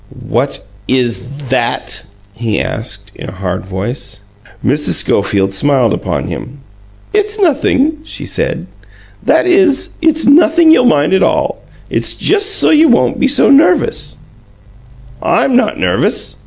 "What IS that?" he asked, in a hard voice. Mrs. Schofield smiled upon him. "It's nothing," she said. "That is, it's nothing you'll mind at all. It's just so you won't be so nervous." "I'm not nervous."